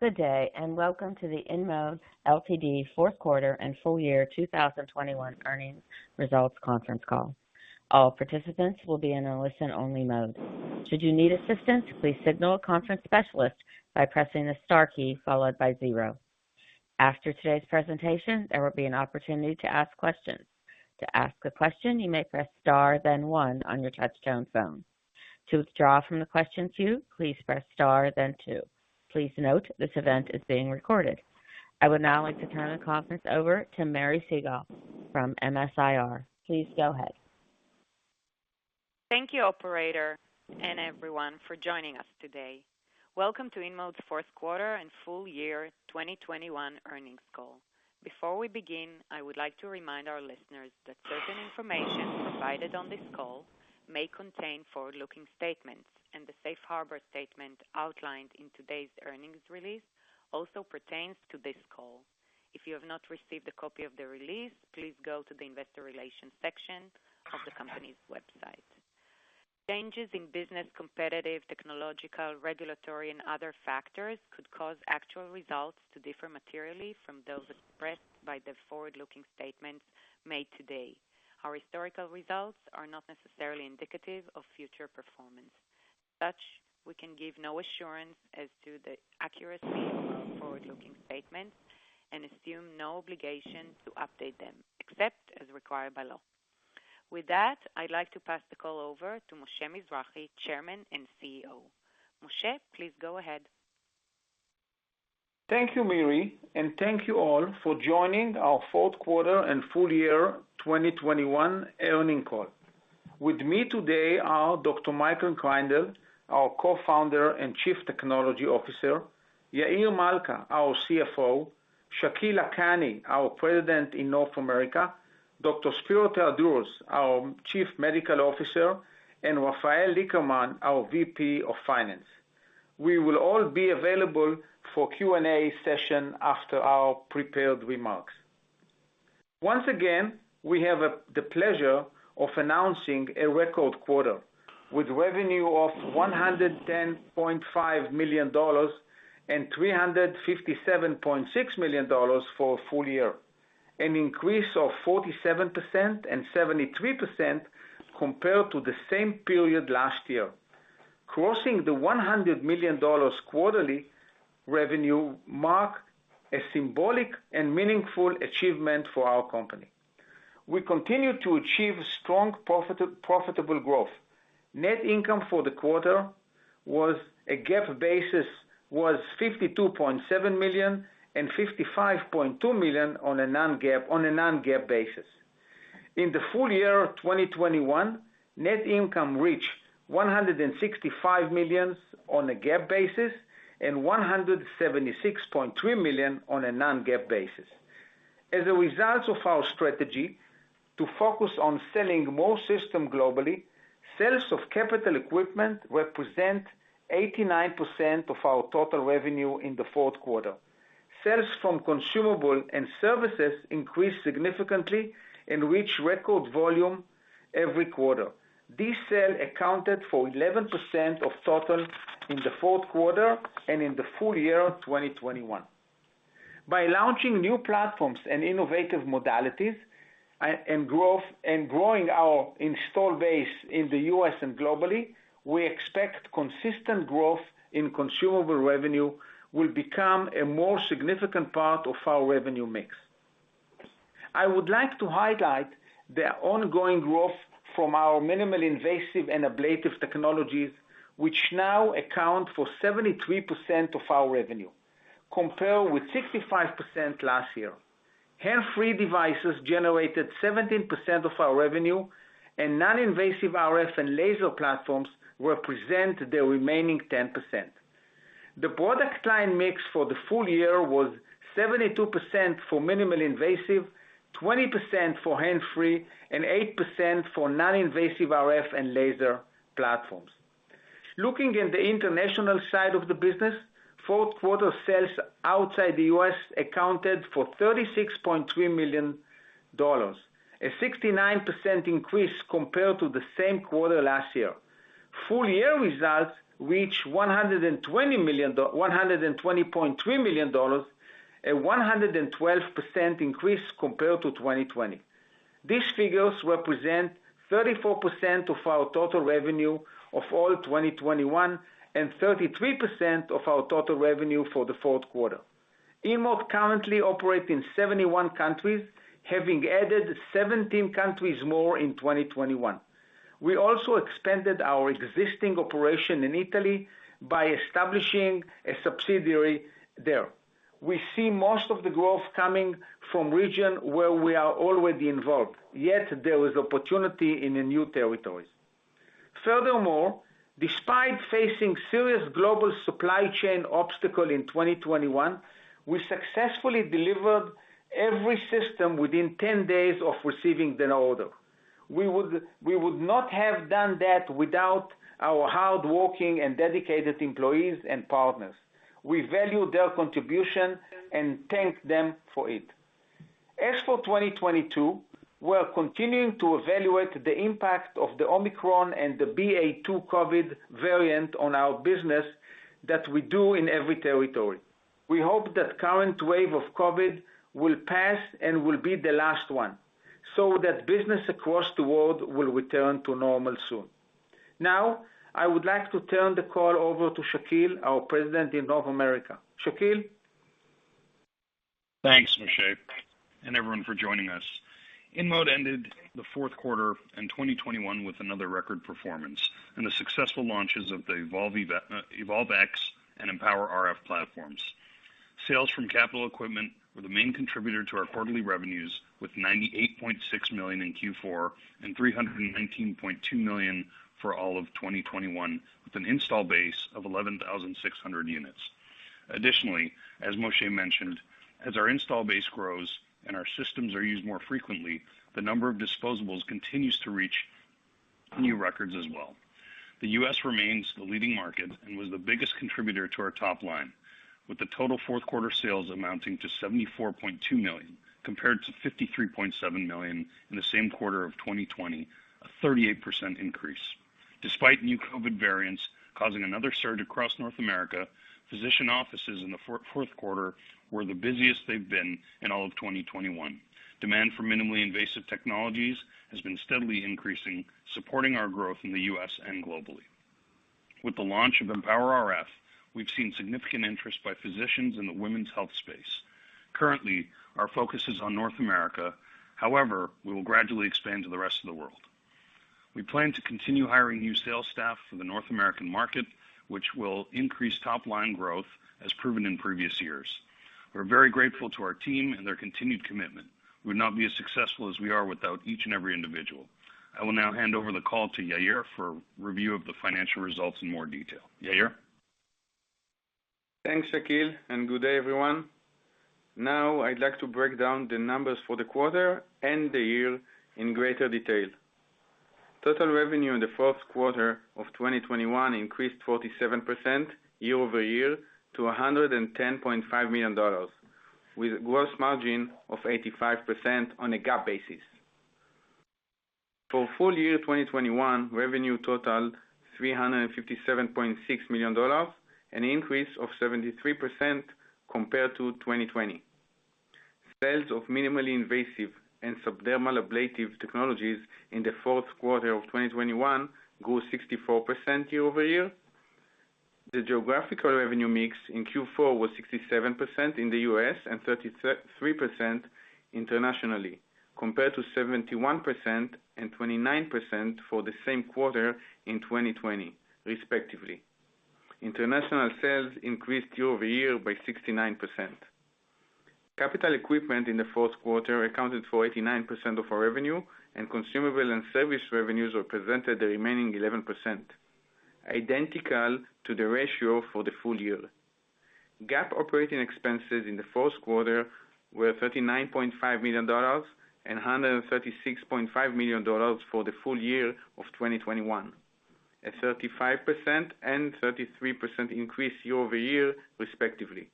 Good day, and welcome to the InMode Ltd. Q4 and full year 2021 earnings results conference call. All participants will be in a listen-only mode. Should you need assistance, please signal a conference specialist by pressing the star key followed by zero. After today's presentation, there will be an opportunity to ask questions. To ask a question, you may press star then one on your touchtone phone. To withdraw from the question queue, please press star then two. Please note, this event is being recorded. I would now like to turn the conference over to Miri Segal from MS-IR. Please go ahead. Thank you operator and everyone for joining us today. Welcome to InMode's Q4 and full year 2021 earnings call. Before we begin, I would like to remind our listeners that certain information provided on this call may contain forward-looking statements, and the safe harbor statement outlined in today's earnings release also pertains to this call. If you have not received a copy of the release, please go to the investor relations section of the company's website. Changes in business, competitive, technological, regulatory, and other factors could cause actual results to differ materially from those expressed by the forward-looking statements made today. Our historical results are not necessarily indicative of future performance. As such, we can give no assurance as to the accuracy of our forward-looking statements and assume no obligation to update them except as required by law. With that, I'd like to pass the call over to Moshe Mizrahy, Chairman and CEO. Moshe, please go ahead. Thank you, Miri, and thank you all for joining our Q4 and full year 2021 earnings call. With me today are Dr. Michael Kreindel, our co-founder and Chief Technology Officer, Yair Malca, our CFO, Shakil Lakhani, our President in North America, Dr. Spero Theodorou, our Chief Medical Officer, and Rafael Lickerman, our VP of Finance. We will all be available for Q&A session after our prepared remarks. Once again, we have the pleasure of announcing a record quarter with revenue of $110.5 million and $357.6 million for a full year. An increase of 47% and 73% compared to the same period last year. Crossing the $100 million quarterly revenue marked a symbolic and meaningful achievement for our company. We continue to achieve strong profitable growth. Net income for the quarter was $52.7 million on a GAAP basis and $55.2 million on a non-GAAP basis. In the full year of 2021, net income reached $165 million on a GAAP basis and $176.3 million on a non-GAAP basis. As a result of our strategy to focus on selling more system globally, sales of capital equipment represent 89% of our total revenue in the Q4. Sales from consumable and services increased significantly and reached record volume every quarter. These sales accounted for 11% of total in the Q4 and in the full year of 2021. By launching new platforms and innovative modalities and growing our install base in the US and globally, we expect consistent growth in consumable revenue will become a more significant part of our revenue mix. I would like to highlight the ongoing growth from our minimally invasive and ablative technologies, which now account for 73% of our revenue, compared with 65% last year. Hands-free devices generated 17% of our revenue, and non-invasive RF and laser platforms represent the remaining 10%. The product line mix for the full year was 72% for minimally invasive, 20% for hands-free, and 8% for non-invasive RF and laser platforms. Looking at the international side of the business, Q4 sales outside the US accounted for $36.3 million, a 69% increase compared to the same quarter last year. Full year results reached $120.3 million, a 112% increase compared to 2020. These figures represent 34% of our total revenue of all 2021, and 33% of our total revenue for the Q4. InMode currently operate in 71 countries, having added 17 countries more in 2021. We also expanded our existing operation in Italy by establishing a subsidiary there. We see most of the growth coming from region where we are already involved, yet there is opportunity in the new territories. Furthermore, despite facing serious global supply chain obstacle in 2021, we successfully delivered every system within 10 days of receiving the order. We would not have done that without our hardworking and dedicated employees and partners. We value their contribution and thank them for it. As for 2022, we're continuing to evaluate the impact of the Omicron and the BA.2 COVID variant on our business that we do in every territory. We hope that current wave of COVID will pass and will be the last one, so that business across the world will return to normal soon. Now, I would like to turn the call over to Shakil, our President in North America. Shakil? Thanks, Moshe, and everyone for joining us. InMode ended the Q4 in 2021 with another record performance and the successful launches of the Evolve X and Empower RF platforms. Sales from capital equipment were the main contributor to our quarterly revenues, with $98.6 million in Q4 and $319.2 million for all of 2021, with an install base of 11,600 units. Additionally, as Moshe mentioned, as our install base grows and our systems are used more frequently, the number of disposables continues to reach new records as well. The US remains the leading market and was the biggest contributor to our top line, with the total Q4 sales amounting to $74.2 million, compared to $53.7 million in the same quarter of 2020. A 38% increase. Despite new COVID variants causing another surge across North America, physician offices in the Q4 were the busiest they've been in all of 2021. Demand for minimally invasive technologies has been steadily increasing, supporting our growth in the US and globally. With the launch of EmpowerRF, we've seen significant interest by physicians in the women's health space. Currently, our focus is on North America. However, we will gradually expand to the rest of the world. We plan to continue hiring new sales staff for the North American market, which will increase top-line growth, as proven in previous years. We're very grateful to our team and their continued commitment. We would not be as successful as we are without each and every individual. I will now hand over the call to Yair for review of the financial results in more detail. Yair? Thanks, Shakil, and good day, everyone. Now, I'd like to break down the numbers for the quarter and the year in greater detail. Total revenue in the Q4 of 2021 increased 47% year-over-year to $110.5 million, with gross margin of 85% on a GAAP basis. For full year 2021, revenue totaled $357.6 million, an increase of 73% compared to 2020. Sales of minimally invasive and subdermal ablative technologies in the Q4 of 2021 grew 64% year-over-year. The geographical revenue mix in Q4 was 67% in the US and 33% internationally, compared to 71% and 29% for the same quarter in 2020 respectively. International sales increased year-over-year by 69%. Capital equipment in the Q4 accounted for 89% of our revenue and consumable and service revenues represented the remaining 11%, identical to the ratio for the full year. GAAP operating expenses in the Q4 were $39.5 million and $136.5 million for the full year of 2021. A 35% and 33% increase year-over-year respectively.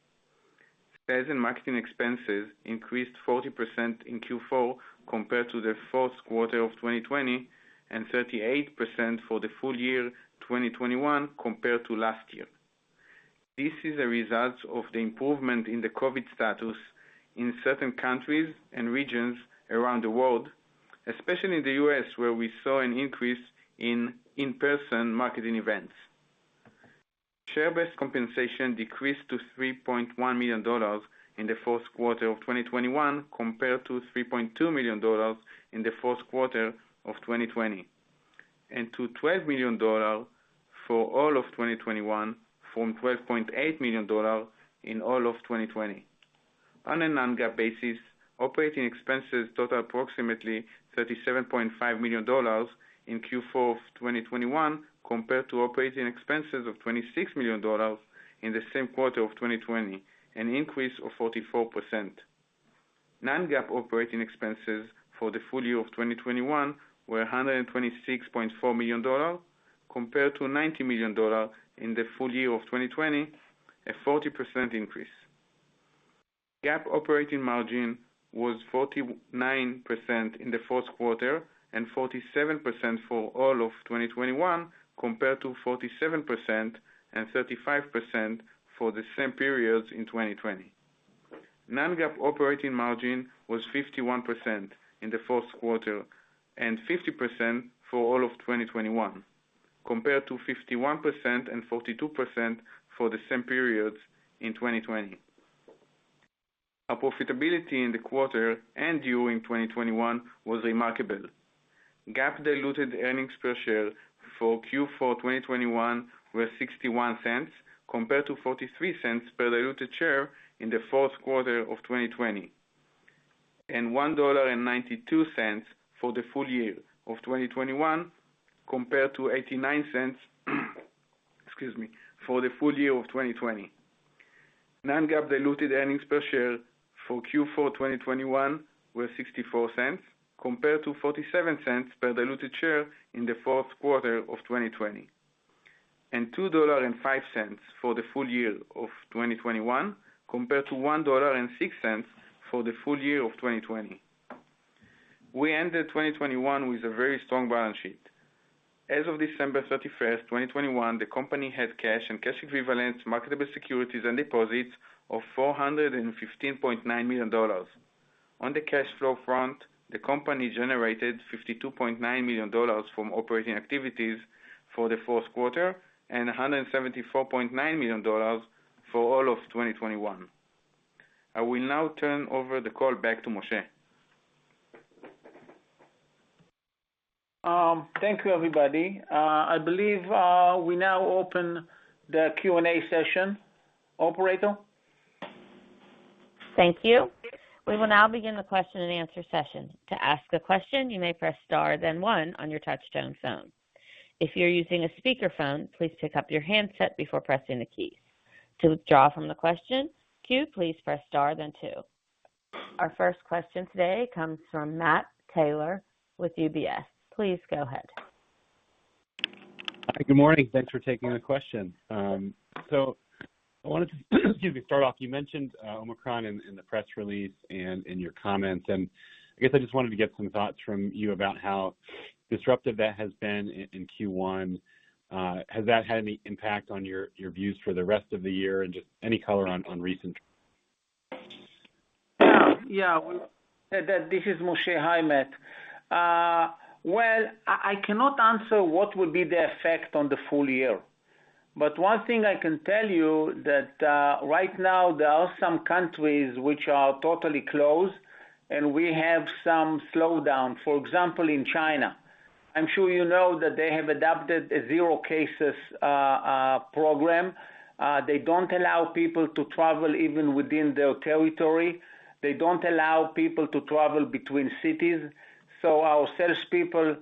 Sales and marketing expenses increased 40% in Q4 compared to the Q4 of 2020, and 38% for the full year 2021 compared to last year. This is a result of the improvement in the COVID status in certain countries and regions around the world, especially in the US where we saw an increase in in-person marketing events. Share-based compensation decreased to $3.1 million in the Q4 of 2021 compared to $3.2 million in the Q4 of 2020, and to $12 million for all of 2021 from $12.8 million in all of 2020. On a non-GAAP basis, operating expenses totaled approximately $37.5 million in Q4 of 2021 compared to operating expenses of $26 million in the same quarter of 2020, an increase of 44%. Non-GAAP operating expenses for the full year of 2021 were $126.4 million compared to $90 million in the full year of 2020, a 40% increase. GAAP operating margin was 49% in the Q4 and 47% for all of 2021 compared to 47% and 35% for the same periods in 2020. Non-GAAP operating margin was 51% in the Q4 and 50% for all of 2021 compared to 51% and 42% for the same periods in 2020. Our profitability in the quarter and during 2021 was remarkable. GAAP diluted earnings per share for Q4 2021 were $0.61 compared to $0.43 per diluted share in the Q4 of 2020, and $1.92 for the full year of 2021 compared to $0.89, excuse me, for the full year of 2020. Non-GAAP diluted earnings per share for Q4 2021 were $0.64 compared to $0.47 per diluted share in the Q4 of 2020. $2.05 for the full year of 2021 compared to $1.06 for the full year of 2020. We ended 2021 with a very strong balance sheet. As of December 31st, 2021, the company had cash and cash equivalents, marketable securities and deposits of $415.9 million. On the cash flow front, the company generated $52.9 million from operating activities for the Q4, and $174.9 million for all of 2021. I will now turn over the call back to Moshe. Thank you everybody. I believe we now open the Q&A session. Operator? Thank you. We will now begin the question and answer session. To ask a question, you may press star then one on your touchtone phone. If you're using a speaker phone, please pick up your handset before pressing the key. To withdraw from the question queue, please press star then two. Our first question today comes from Matt Taylor with UBS. Please go ahead. Good morning. Thanks for taking the question. I wanted to start off, you mentioned Omicron in the press release and in your comments. I guess I just wanted to get some thoughts from you about how disruptive that has been in Q1. Has that had any impact on your views for the rest of the year? Just any color on recent. Yeah. This is Moshe. Hi, Matt. Well, I cannot answer what will be the effect on the full year. One thing I can tell you that right now there are some countries which are totally closed, and we have some slowdown. For example, in China, I'm sure you know that they have adopted a zero cases program. They don't allow people to travel even within their territory. They don't allow people to travel between cities. So our salespeople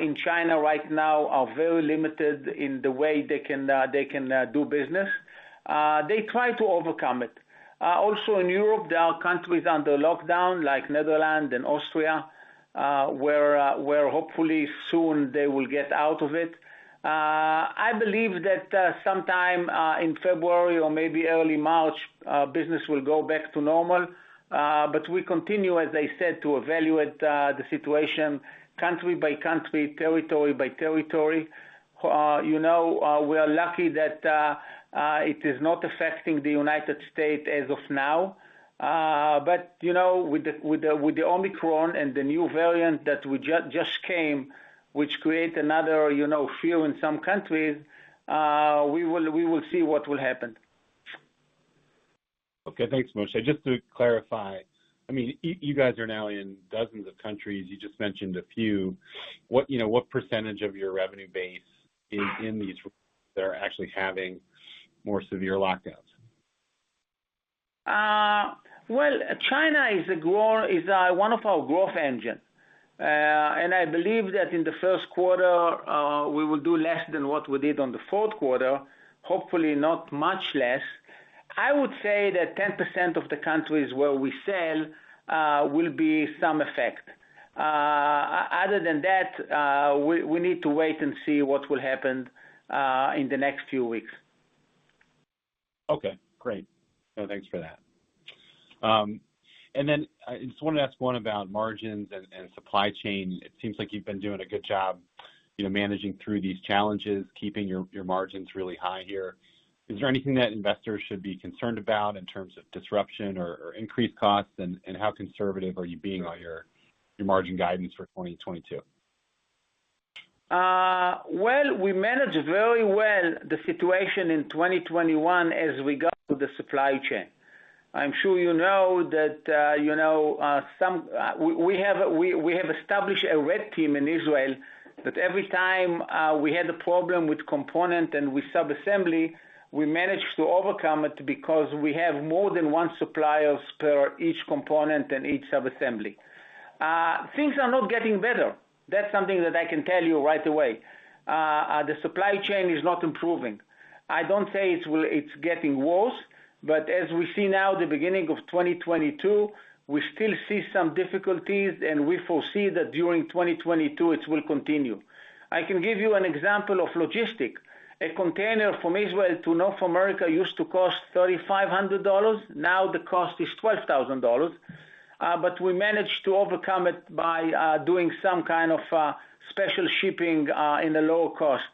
in China right now are very limited in the way they can do business. They try to overcome it. Also in Europe, there are countries under lockdown like Netherlands and Austria, where hopefully soon they will get out of it. I believe that sometime in February or maybe early March, business will go back to normal. We continue, as I said, to evaluate the situation country by country, territory by territory. You know, we are lucky that it is not affecting the United States as of now. With the Omicron and the new variant that we just came, which create another, you know, fear in some countries, we will see what will happen. Okay, thanks, Moshe. Just to clarify, I mean, you guys are now in dozens of countries. You just mentioned a few. What, you know, what percentage of your revenue base is in these that are actually having more severe lockdowns? Well, China is one of our growth engine. I believe that in the Q1, we will do less than what we did in the Q4, hopefully not much less. I would say that 10% of the countries where we sell will be affected. Other than that, we need to wait and see what will happen in the next few weeks. Okay, great. No, thanks for that. I just wanna ask one about margins and supply chain. It seems like you've been doing a good job, you know, managing through these challenges, keeping your margins really high here. Is there anything that investors should be concerned about in terms of disruption or increased costs, and how conservative are you being on your margin guidance for 2022? Well, we managed very well the situation in 2021 as regards to the supply chain. I'm sure you know that, you know, we have established a red team in Israel that every time we had a problem with component and with sub-assembly, we managed to overcome it because we have more than one suppliers per each component and each sub-assembly. Things are not getting better. That's something that I can tell you right away. The supply chain is not improving. I don't say it's getting worse, but as we see now the beginning of 2022, we still see some difficulties, and we foresee that during 2022 it will continue. I can give you an example of logistics. A container from Israel to North America used to cost $3,500, now the cost is $12,000. We managed to overcome it by doing some kind of special shipping in the lower cost.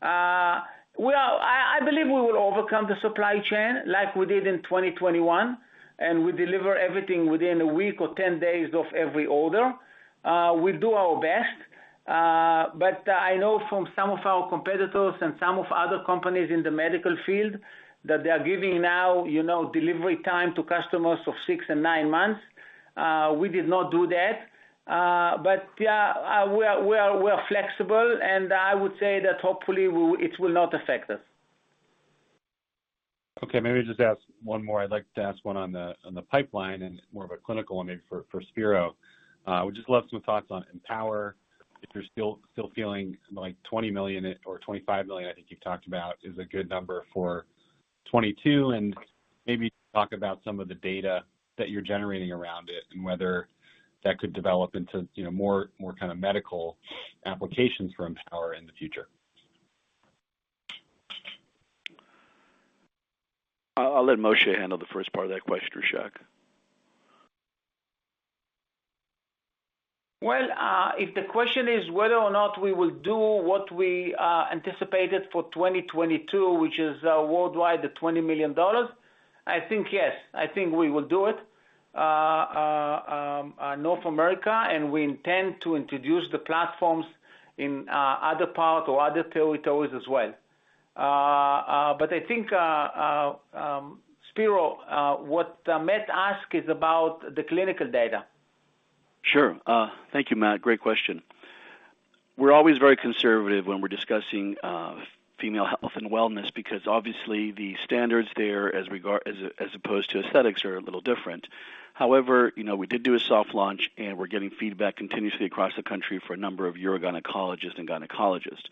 I believe we will overcome the supply chain like we did in 2021, and we deliver everything within a week or 10 days of every order. We do our best. I know from some of our competitors and some other companies in the medical field that they are giving now, you know, delivery time to customers of six and nine months. We did not do that. We are flexible, and I would say that hopefully it will not affect us. Okay, maybe just ask one more. I'd like to ask one on the, on the pipeline and more of a clinical one maybe for Spero. Would just love some thoughts on Empower, if you're still feeling like $20 million or $25 million, I think you've talked about, is a good number for 2022, and maybe talk about some of the data that you're generating around it and whether that could develop into, you know, more kind of medical applications for Empower in the future. I'll let Moshe handle the first part of that question, Shaq. Well, if the question is whether or not we will do what we anticipated for 2022, which is worldwide $20 million, I think yes. I think we will do it in North America, and we intend to introduce the platforms in other parts or other territories as well. But I think, Spero, what Matt asked is about the clinical data. Sure. Thank you, Matt. Great question. We're always very conservative when we're discussing female health and wellness because obviously the standards there as opposed to aesthetics are a little different. However, you know, we did do a soft launch, and we're getting feedback continuously across the country from a number of urogynecologists and gynecologists.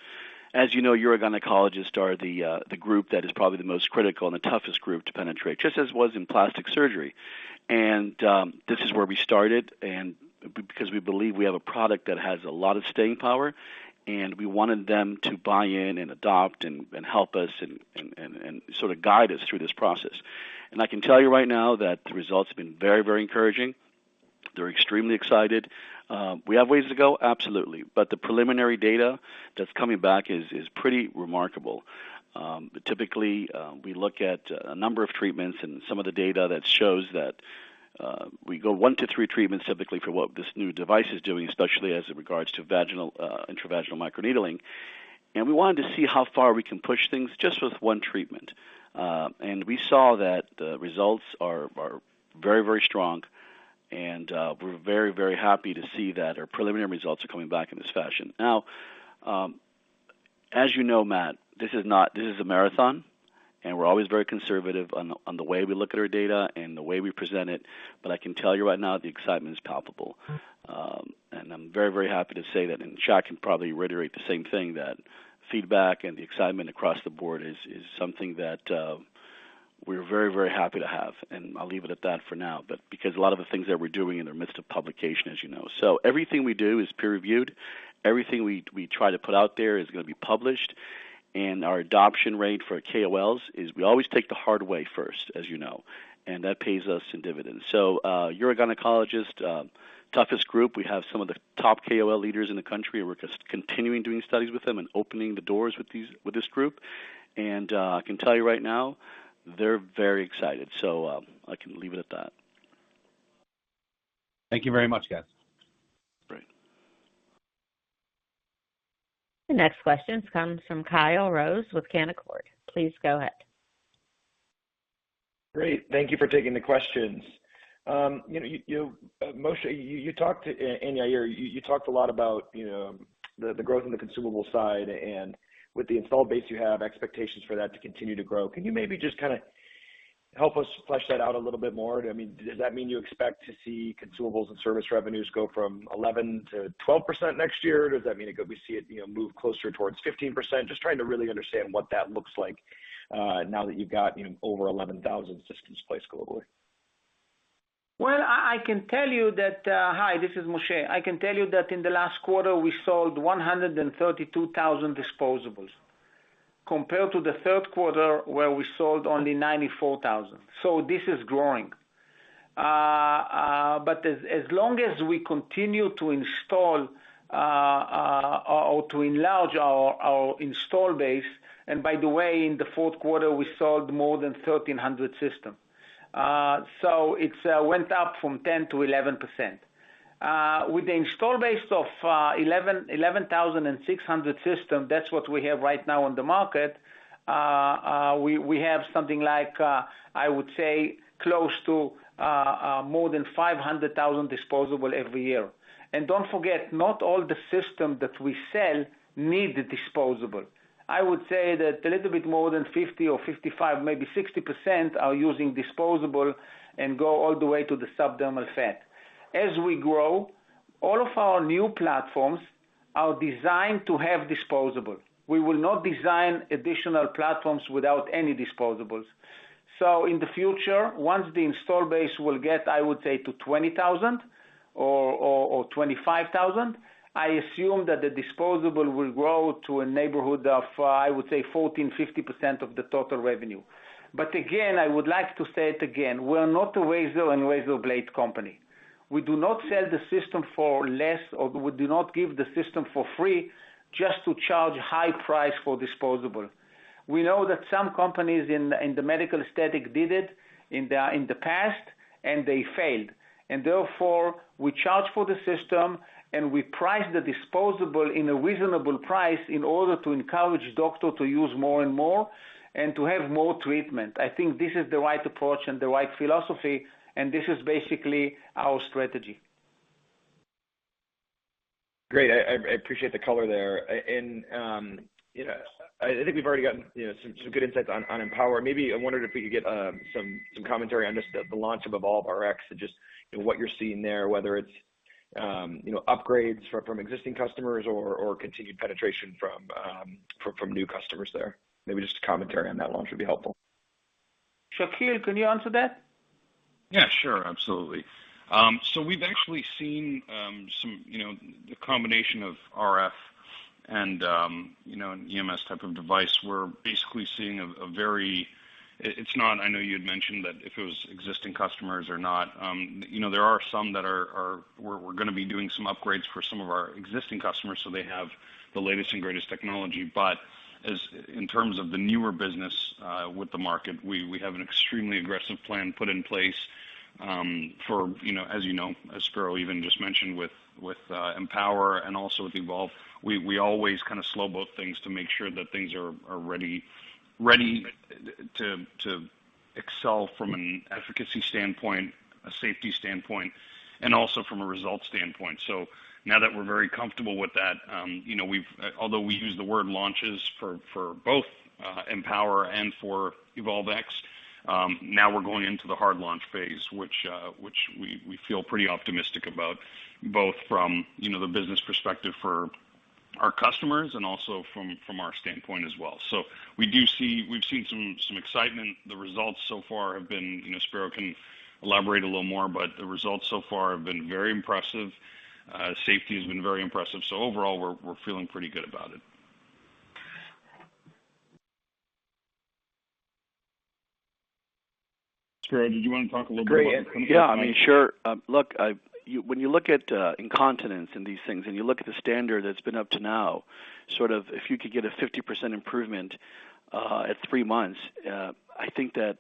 As you know, urogynecologists are the group that is probably the most critical and the toughest group to penetrate, just as it was in plastic surgery. This is where we started and because we believe we have a product that has a lot of staying power, and we wanted them to buy in and adopt and sort of guide us through this process. I can tell you right now that the results have been very, very encouraging. They're extremely excited. We have ways to go, absolutely. The preliminary data that's coming back is pretty remarkable. Typically, we look at a number of treatments and some of the data that shows that we go one to three treatments typically for what this new device is doing, especially as it regards to intravaginal microneedling. We wanted to see how far we can push things just with one treatment. We saw that the results are very, very strong and we're very, very happy to see that our preliminary results are coming back in this fashion. Now, as you know, Matt, this is a marathon, and we're always very conservative on the way we look at our data and the way we present it. I can tell you right now the excitement is palpable. I'm very very happy to say that, and Shaq can probably reiterate the same thing, that feedback and the excitement across the board is something that we're very very happy to have. I'll leave it at that for now, but because a lot of the things that we're doing are in the midst of publication, as you know. Everything we do is peer-reviewed. Everything we try to put out there is gonna be published. Our adoption rate for KOLs is we always take the hard way first, as you know, and that pays us in dividends. Urogynecologist, toughest group, we have some of the top KOL leaders in the country, and we're just continuing doing studies with them and opening the doors with this group. I can tell you right now, they're very excited. I can leave it at that. Thank you very much, guys. Great. The next question comes from Kyle Rose with Canaccord. Please go ahead. Great. Thank you for taking the questions. You know, Moshe and Yair, you talked a lot about the growth in the consumable side and with the install base you have, expectations for that to continue to grow. Can you maybe just kinda help us flesh that out a little bit more? I mean, does that mean you expect to see consumables and service revenues go from 11% to 12% next year? Does that mean that we could see it, you know, move closer towards 15%? Just trying to really understand what that looks like, now that you've got, you know, over 11,000 systems placed globally. Well, I can tell you that, hi, this is Moshe. I can tell you that in the last quarter, we sold 132,000 disposables compared to the third quarter, where we sold only 94,000. This is growing. But as long as we continue to install or to enlarge our installed base, and by the way, in the Q4, we sold more than 1,300 systems. It went up from 10%-11%. With the installed base of 11,600 systems, that's what we have right now on the market. We have something like, I would say, close to more than 500,000 disposables every year. Don't forget, not all the systems that we sell need the disposable. I would say that a little bit more than 50 or 55, maybe 60% are using disposable and go all the way to the subdermal fat. As we grow, all of our new platforms are designed to have disposable. We will not design additional platforms without any disposables. In the future, once the install base will get, I would say to 20,000 or 25,000, I assume that the disposable will grow to a neighborhood of, I would say 40%-50% of the total revenue. But again, I would like to say it again, we're not a razor and razor blade company. We do not sell the system for less, or we do not give the system for free just to charge high price for disposable. We know that some companies in the medical aesthetic did it in the past, and they failed. Therefore, we charge for the system and we price the disposable at a reasonable price in order to encourage doctor to use more and more and to have more treatment. I think this is the right approach and the right philosophy, and this is basically our strategy. Great. I appreciate the color there. You know, I think we've already gotten you know some good insights on Empower. Maybe I wondered if we could get some commentary on just the launch of EvolveX and just you know what you're seeing there, whether it's you know upgrades from existing customers or continued penetration from new customers there. Maybe just a commentary on that launch would be helpful. Shakil, can you answer that? Yeah, sure, absolutely. We've actually seen some, you know, the combination of RF and, you know, an EMS type of device. We're basically seeing. I know you had mentioned that if it was existing customers or not. You know, there are some that are. We're gonna be doing some upgrades for some of our existing customers, so they have the latest and greatest technology. As in terms of the newer business with the market, we have an extremely aggressive plan put in place for you know, as you know, as Spero even just mentioned with Empower and also with Evolve, we always kind of slow both things to make sure that things are ready to excel from an efficacy standpoint, a safety standpoint, and also from a result standpoint. Now that we're very comfortable with that, you know, although we use the word launches for both Empower and for Evolve X, now we're going into the hard launch phase, which we feel pretty optimistic about, both from you know, the business perspective for our customers and also from our standpoint as well. We do see, we've seen some excitement. The results so far have been, you know, Spero can elaborate a little more, but the results so far have been very impressive. Safety has been very impressive. Overall, we're feeling pretty good about it. Spero, did you wanna talk a little bit about the? Great. Yeah, I mean, sure. Look, when you look at incontinence in these things, and you look at the standard that's been up to now, sort of if you could get a 50% improvement at three months, I think that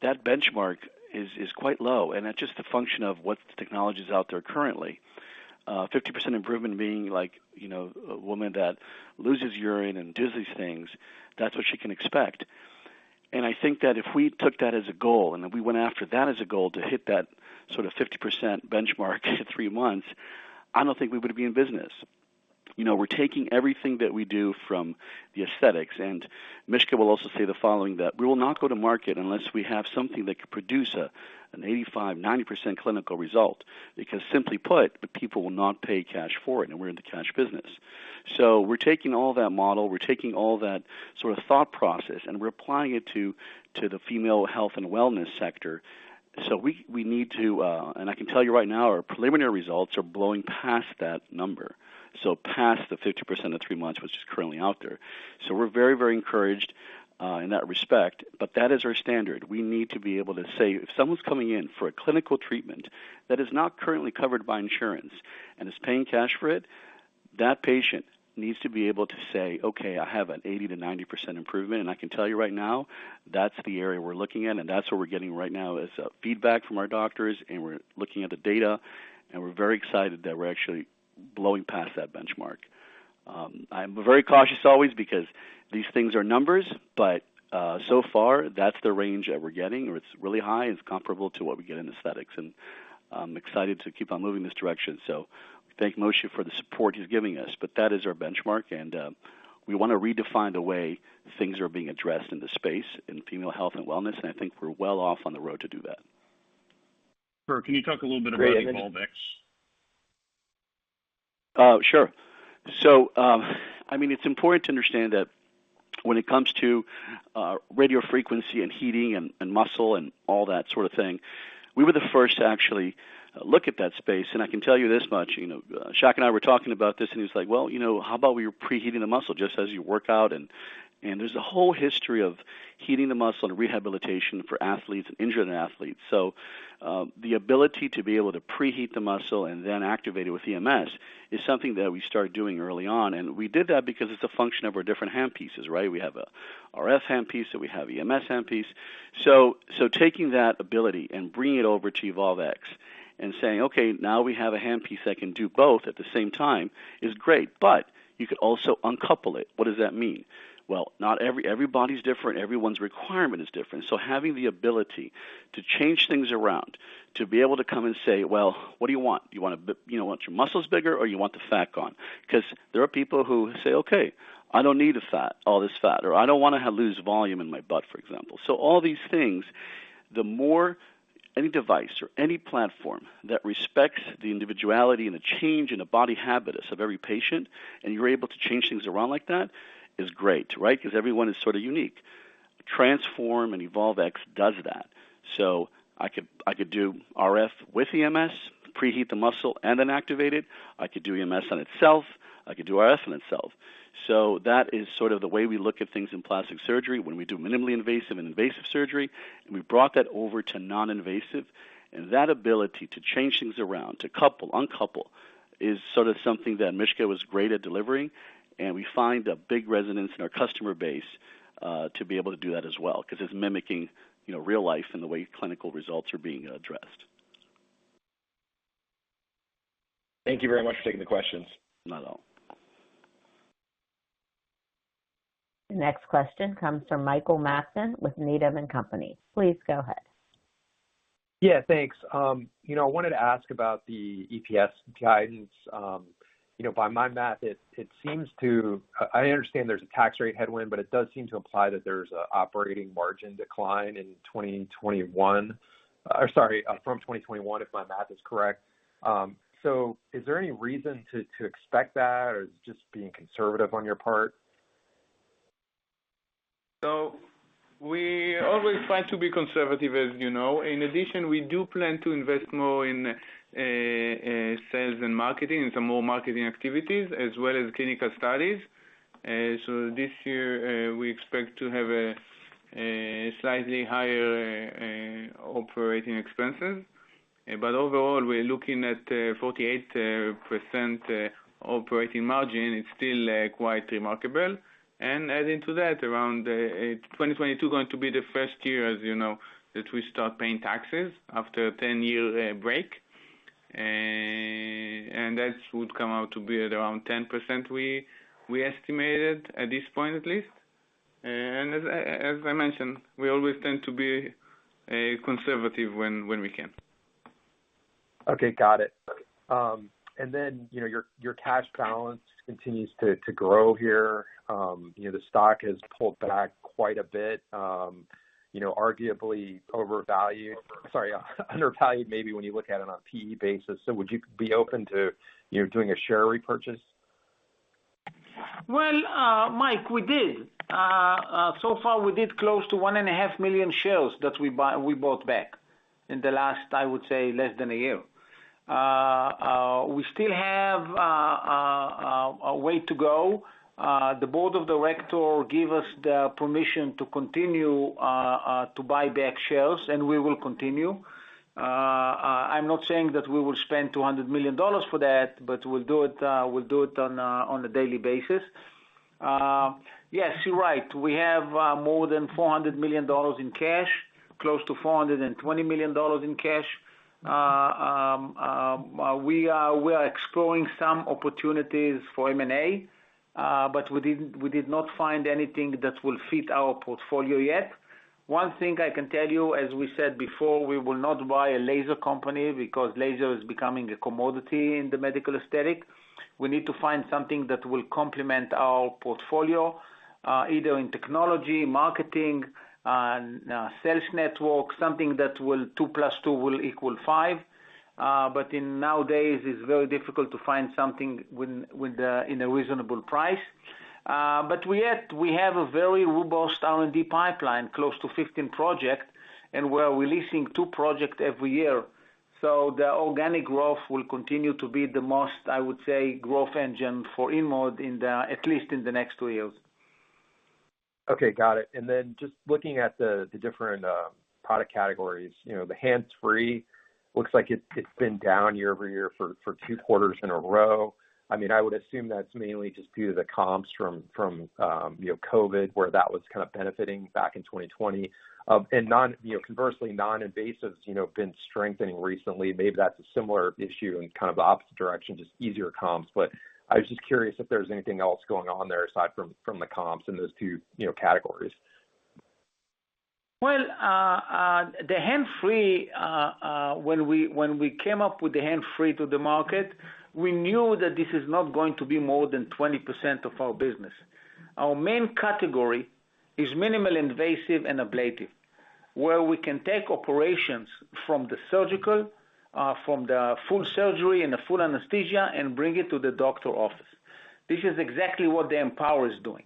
benchmark is quite low, and that's just a function of what the technology is out there currently. 50% improvement being like, you know, a woman that loses urine and does these things, that's what she can expect. I think that if we took that as a goal, and if we went after that as a goal to hit that sort of 50% benchmark at three months, I don't think we would be in business. You know, we're taking everything that we do from the aesthetics, and Moshe will also say the following, that we will not go to market unless we have something that could produce 85% to 90% clinical result. Because simply put, the people will not pay cash for it, and we're in the cash business. We're taking all that model, we're taking all that sort of thought process, and we're applying it to the female health and wellness sector. We need to. I can tell you right now, our preliminary results are blowing past that number, so past the 50% at three months, which is currently out there. We're very, very encouraged in that respect, but that is our standard. We need to be able to say, if someone's coming in for a clinical treatment that is not currently covered by insurance and is paying cash for it, that patient needs to be able to say, "Okay, I have an 80%-90% improvement." I can tell you right now, that's the area we're looking in, and that's what we're getting right now is feedback from our doctors, and we're looking at the data, and we're very excited that we're actually blowing past that benchmark. I'm very cautious always because these things are numbers, but so far that's the range that we're getting, or it's really high, and it's comparable to what we get in aesthetics, and I'm excited to keep on moving this direction. Thank Moshe for the support he's giving us, but that is our benchmark, and we wanna redefine the way things are being addressed in the space in female health and wellness, and I think we're well off on the road to do that. Spero, can you talk a little bit about Evolve X? Great. Sure. I mean, it's important to understand that when it comes to radiofrequency and heating and muscle and all that sort of thing, we were the first to actually look at that space. I can tell you this much, you know, Shak and I were talking about this, and he was like, "Well, you know, how about we're preheating the muscle just as you work out?" There's a whole history of heating the muscle and rehabilitation for athletes and injured athletes. The ability to be able to preheat the muscle and then activate it with EMS is something that we started doing early on, and we did that because it's a function of our different hand pieces, right? We have a RF hand piece, and we have EMS hand piece. Taking that ability and bringing it over to Evolve X and saying, "Okay, now we have a hand piece that can do both at the same time," is great, but you could also uncouple it. What does that mean? Well, everybody's different, everyone's requirement is different. Having the ability to change things around, to be able to come and say, "Well, what do you want? Do you wanna you know, want your muscles bigger or you want the fat gone?" 'Cause there are people who say, "Okay, I don't need the fat, all this fat," or, "I don't wanna lose volume in my butt," for example. All these things, the more any device or any platform that respects the individuality and the change in the body habitus of every patient, and you're able to change things around like that is great, right? 'Cause everyone is sort of unique. Transform and Evolve X does that. I could do RF with EMS, preheat the muscle, and then activate it. I could do EMS on itself. I could do RF on itself. That is sort of the way we look at things in plastic surgery when we do minimally invasive and invasive surgery, and we've brought that over to non-invasive. That ability to change things around, to couple, uncouple, is sort of something that Mishka was great at delivering, and we find a big resonance in our customer base, to be able to do that as well, 'cause it's mimicking, you know, real life and the way clinical results are being addressed. Thank you very much for taking the questions. Not at all. The next question comes from Michael Matson with Needham & Company. Please go ahead. Yeah, thanks. You know, I wanted to ask about the EPS guidance. You know, by my math it seems I understand there's a tax rate headwind, but it does seem to imply that there's an operating margin decline in 2021. Or sorry, from 2021, if my math is correct. So is there any reason to expect that or is it just being conservative on your part? We always try to be conservative, as you know. In addition, we do plan to invest more in sales and marketing and some more marketing activities as well as clinical studies. This year, we expect to have a slightly higher operating expenses. Overall, we're looking at 48% operating margin. It's still quite remarkable. Adding to that, around 2022 going to be the first year, as you know, that we start paying taxes after a 10-year break. That would come out to be at around 10% we estimated at this point at least. As I mentioned, we always tend to be conservative when we can. Okay. Got it. You know, your cash balance continues to grow here. You know, the stock has pulled back quite a bit, you know, arguably overvalued. Sorry, undervalued maybe when you look at it on a P/E basis. Would you be open to, you know, doing a share repurchase? Mike, we did. So far we did close to 1.5 million shares that we bought back in the last, I would say, less than a year. We still have a way to go. The board of directors give us the permission to continue to buy back shares, and we will continue. I'm not saying that we will spend $200 million for that, but we'll do it on a daily basis. Yes, you're right. We have more than $400 million in cash, close to $420 million in cash. We are exploring some opportunities for M&A, but we did not find anything that will fit our portfolio yet. One thing I can tell you, as we said before, we will not buy a laser company because laser is becoming a commodity in the medical aesthetic. We need to find something that will complement our portfolio, either in technology, marketing, and sales network, something that will two plus two will equal five. Nowadays it's very difficult to find something with a in a reasonable price. We have a very robust R&D pipeline, close to 15 projects, and we're releasing two projects every year. The organic growth will continue to be the most, I would say, growth engine for InMode, at least in the next two years. Okay. Got it. Then just looking at the different product categories. You know, the hands-free looks like it's been down year-over-year for two quarters in a row. I mean, I would assume that's mainly just due to the comps from you know, COVID, where that was kind of benefiting back in 2020. You know, conversely, non-invasive you know, have been strengthening recently. Maybe that's a similar issue in kind of the opposite direction, just easier comps. But I was just curious if there's anything else going on there aside from the comps in those two you know, categories. Well, the hands-free, when we came up with the hands-free to the market, we knew that this is not going to be more than 20% of our business. Our main category is minimally invasive and ablative, where we can take operations from the full surgery and the full anesthesia and bring it to the doctor office. This is exactly what the Empower is doing.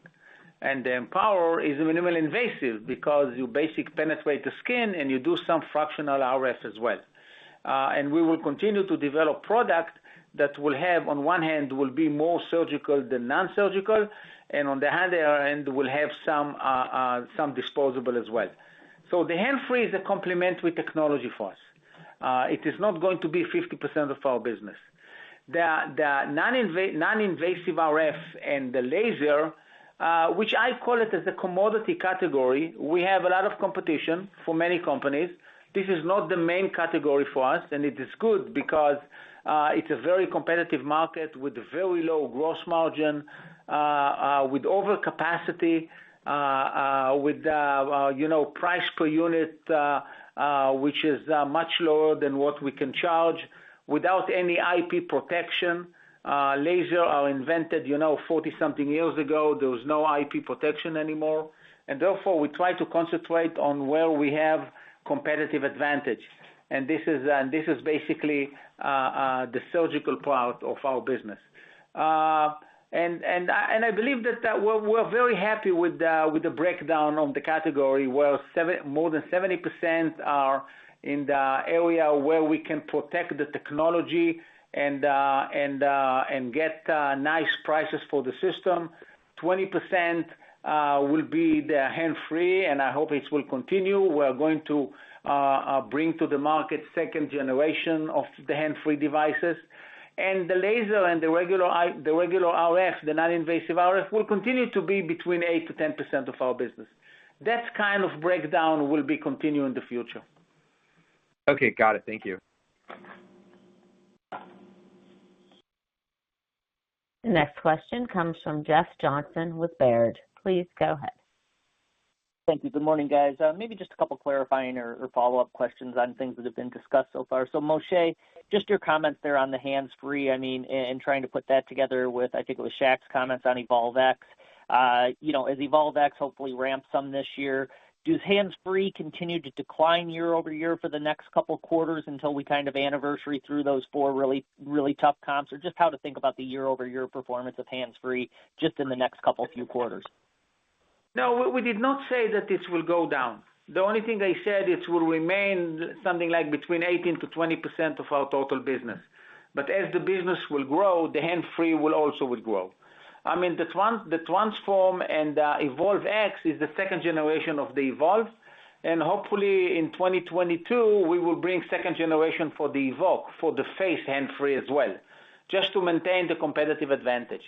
The Empower is minimally invasive because you basically penetrate the skin and you do some fractional RF as well. We will continue to develop product that will have on one hand more surgical than non-surgical, and on the other hand will have some disposable as well. The hands-free is a complementary technology for us. It is not going to be 50% of our business. The non-invasive RF and the laser, which I call it as a commodity category, we have a lot of competition for many companies. This is not the main category for us, and it is good because it's a very competitive market with very low gross margin, with overcapacity, with, you know, price per unit, which is much lower than what we can charge without any IP protection. Laser are invented, you know, 40-something years ago. There was no IP protection anymore. Therefore, we try to concentrate on where we have competitive advantage. This is basically the surgical part of our business. I believe that we're very happy with the breakdown of the category, where more than 70% are in the area where we can protect the technology and get nice prices for the system. 20% will be the hands-free, and I hope it will continue. We are going to bring to the market second generation of the hands-free devices. The laser and the regular RF, the non-invasive RF, will continue to be between 8%-10% of our business. That kind of breakdown will continue in the future. Okay. Got it. Thank you. The next question comes from Jeff Johnson with Baird. Please go ahead. Thank you. Good morning, guys. Maybe just a couple clarifying or follow-up questions on things that have been discussed so far. Moshe, just your comments there on the hands-free, I mean, and trying to put that together with, I think it was Shaq's comments on Evolve X. You know, as Evolve X hopefully ramps some this year, does hands-free continue to decline year-over-year for the next couple quarters until we kind of anniversary through those four really tough comps? Or just how to think about the year-over-year performance of hands-free just in the next couple few quarters. No, we did not say that this will go down. The only thing I said, it will remain something like between 18%-20% of our total business. As the business will grow, the hands-free will also grow. I mean, the Transform and Evolve X is the second generation of the Evolve, and hopefully in 2022, we will bring second generation for the Evoke, for the face hands-free as well, just to maintain the competitive advantage.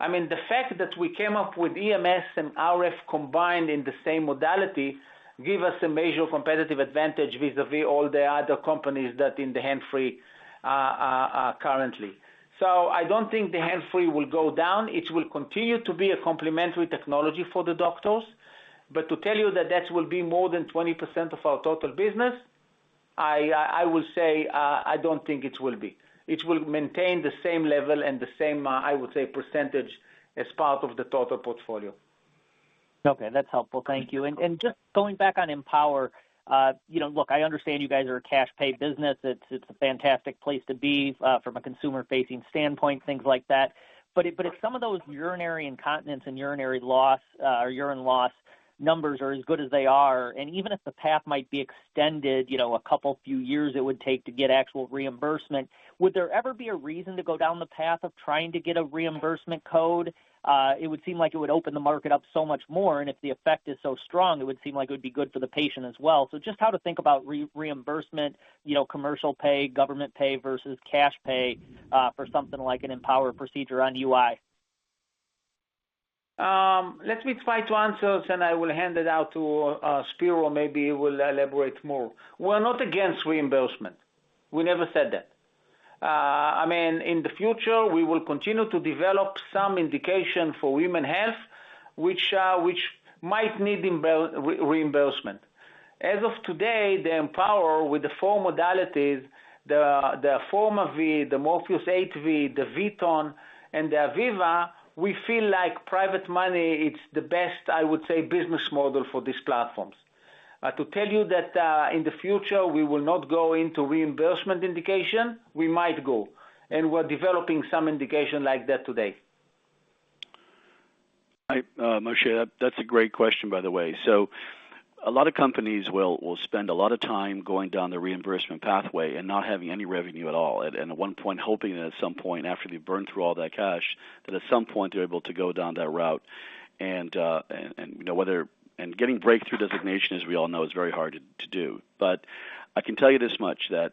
I mean, the fact that we came up with EMS and RF combined in the same modality give us a major competitive advantage vis-à-vis all the other companies that in the hands-free currently. I don't think the hands-free will go down. It will continue to be a complementary technology for the doctors. To tell you that will be more than 20% of our total business, I will say, I don't think it will be. It will maintain the same level and the same, I would say, percentage as part of the total portfolio. Okay. That's helpful. Thank you. Just going back on Empower, you know, look, I understand you guys are a cash pay business. It's a fantastic place to be, from a consumer-facing standpoint, things like that. If some of those urinary incontinence and urinary loss, or urine loss numbers are as good as they are, and even if the path might be extended, you know, a couple few years it would take to get actual reimbursement, would there ever be a reason to go down the path of trying to get a reimbursement code? It would seem like it would open the market up so much more, and if the effect is so strong, it would seem like it would be good for the patient as well. Just how to think about reimbursement, you know, commercial pay, government pay versus cash pay, for something like an Empower procedure on UI. Let me try to answer, and I will hand it over to Spero, maybe he will elaborate more. We're not against reimbursement. We never said that. I mean, in the future, we will continue to develop some indication for women's health, which might need reimbursement. As of today, the Empower with the four modalities, the FormaV, the Morpheus8V, the VTone, and the Aviva, we feel like private money, it's the best, I would say, business model for these platforms. To tell you that in the future, we will not go into reimbursement indication, we might go, and we're developing some indication like that today. Moshe, that's a great question, by the way. A lot of companies will spend a lot of time going down the reimbursement pathway and not having any revenue at all. At one point, hoping that at some point after they've burned through all that cash, that at some point they're able to go down that route. Getting breakthrough designation, as we all know, is very hard to do. I can tell you this much, that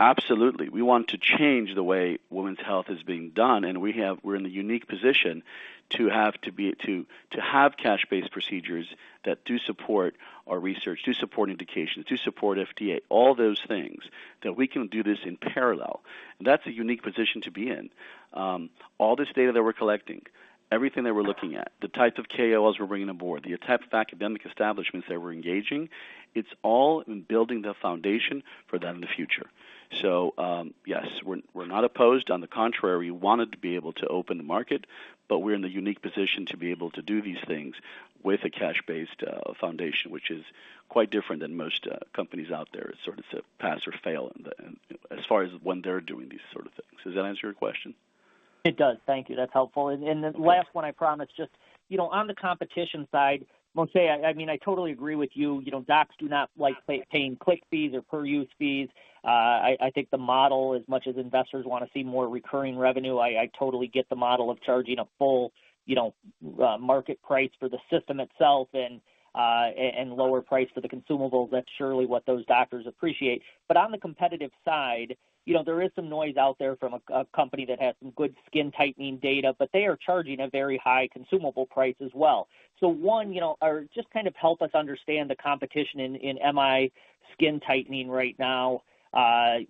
absolutely, we want to change the way women's health is being done, and we're in the unique position to have cash-based procedures that do support our research, do support indications, do support FDA, all those things, that we can do this in parallel. That's a unique position to be in. All this data that we're collecting, everything that we're looking at, the types of KOLs we're bringing on board, the type of academic establishments that we're engaging, it's all in building the foundation for that in the future. Yes, we're not opposed. On the contrary, we wanted to be able to open the market, but we're in the unique position to be able to do these things with a cash-based foundation, which is quite different than most companies out there. It's sort of pass or fail. As far as when they're doing these sort of things. Does that answer your question? It does. Thank you. That's helpful. The last one, I promise. Just, you know, on the competition side, Moshe, I mean, I totally agree with you. You know, docs do not like paying click fees or per-use fees. I think the model, as much as investors wanna see more recurring revenue, I totally get the model of charging a full, you know, market price for the system itself and lower price for the consumables. That's surely what those doctors appreciate. On the competitive side, you know, there is some noise out there from a company that has some good skin tightening data, but they are charging a very high consumable price as well. One, you know, or just kind of help us understand the competition in MI skin tightening right now,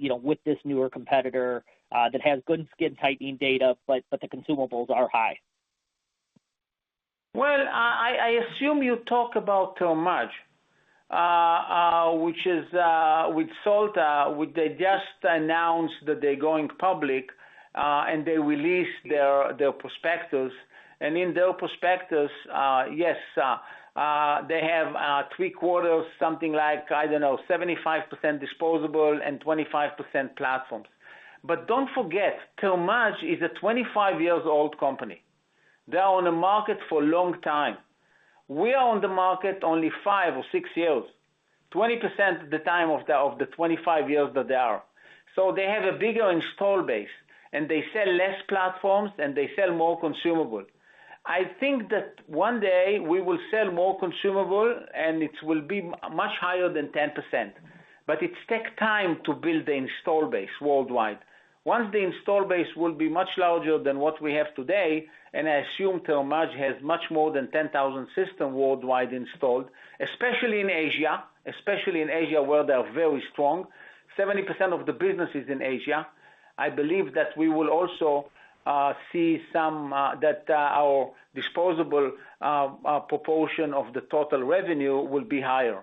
with this newer competitor that has good skin tightening data, but the consumables are high. Well, I assume you talk about Thermage, which is with Solta, which they just announced that they're going public, and they released their prospectus. In their prospectus, yes, they have three-quarters, something like, I don't know, 75% disposable and 25% platforms. Don't forget, Thermage is a 25-year-old company. They are on the market for a long time. We are on the market only five or six years, 20% the time of the 25 years that they are. They have a bigger installed base, and they sell less platforms, and they sell more consumables. I think that one day we will sell more consumables, and it will be much higher than 10%. It takes time to build the installed base worldwide. Once the install base will be much larger than what we have today, and I assume Thermage has much more than 10,000 systems worldwide installed, especially in Asia, where they are very strong. 70% of the business is in Asia. I believe that we will also see that our disposable proportion of the total revenue will be higher.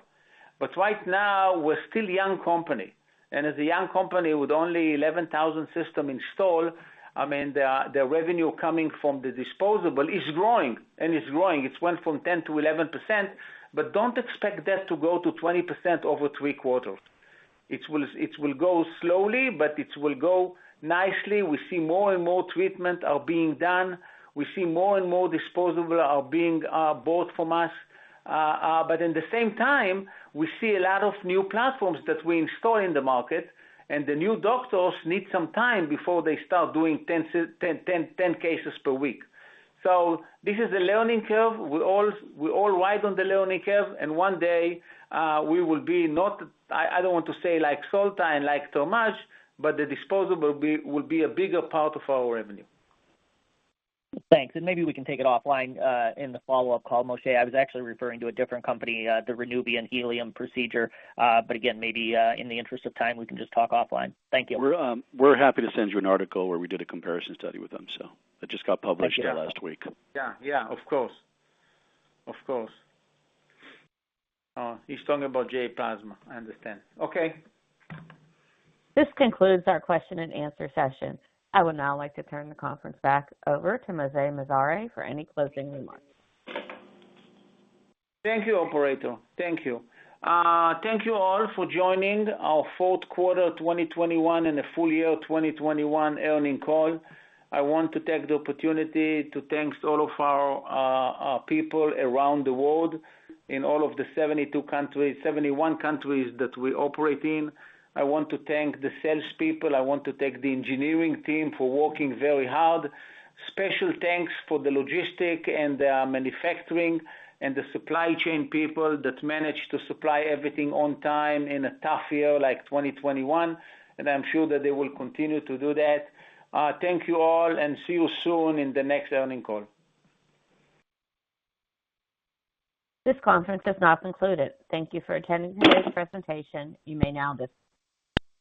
Right now, we're still young company, and as a young company with only 11,000 system installed, I mean, the revenue coming from the disposable is growing and it's growing. It's went from 10%-11%, but don't expect that to go to 20% over three quarters. It will go slowly, but it will go nicely. We see more and more treatment are being done. We see more and more disposables are being bought from us. But at the same time, we see a lot of new platforms that we install in the market, and the new doctors need some time before they start doing 10 cases per week. This is a learning curve. We all ride on the learning curve, and one day we will not. I don't want to say like Solta and like Thermage, but the disposables will be a bigger part of our revenue. Thanks. Maybe we can take it offline in the follow-up call, Moshe. I was actually referring to a different company, the Renuvion helium procedure. Again, maybe, in the interest of time, we can just talk offline. Thank you. We're happy to send you an article where we did a comparison study with them, so. It just got published. Thank you. last week. Yeah, of course. He's talking about J-Plasma, I understand. Okay. This concludes our question and answer session. I would now like to turn the conference back over to Moshe Mizrahy for any closing remarks. Thank you, operator. Thank you. Thank you all for joining our Q4 2021 and the full year of 2021 earnings call. I want to take the opportunity to thank all of our people around the world in all of the 71 countries that we operate in. I want to thank the salespeople. I want to thank the engineering team for working very hard. Special thanks to the logistics and the manufacturing and the supply chain people that managed to supply everything on time in a tough year like 2021, and I'm sure that they will continue to do that. Thank you all and see you soon in the next earnings call. This conference has now concluded. Thank you for attending today's presentation. You may now disconnect.